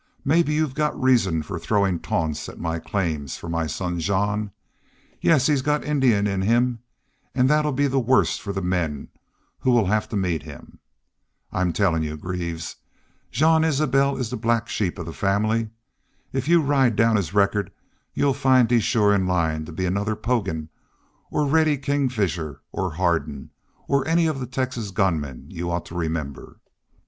Maybe you've got reasons for throwin' taunts at my claims for my son Jean. Yes, he's got Indian in him an' that 'll be the worse for the men who will have to meet him. I'm tellin' you, Greaves, Jean Isbel is the black sheep of the family. If you ride down his record you'll find he's shore in line to be another Poggin, or Reddy Kingfisher, or Hardin', or any of the Texas gunmen you ought to remember....